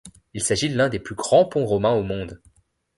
Il s'agit de l'un des plus grands ponts romains au monde.